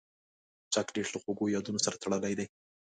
چاکلېټ له خوږو یادونو سره تړلی دی.